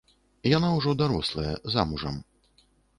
Яна ўжо дарослая, замужам.